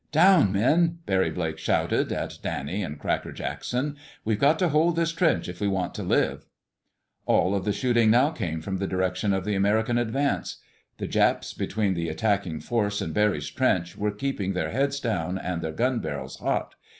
"Down, men!" Barry Blake shouted at Danny and Cracker Jackson. "We've got to hold this trench if we want to live." All of the shooting now came from the direction of the American advance. The Japs between the attacking force and Barry's trench were keeping their heads down and their gun barrels hot.